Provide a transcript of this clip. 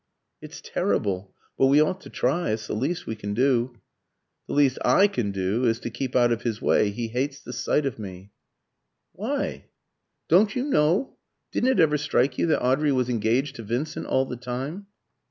"It's terrible. But we ought to try it's the least we can do." "The least I can do is to keep out of his way. He hates the sight of me." "Why?" "Don't you know? Didn't it ever strike you that Audrey was engaged to Vincent all the time?"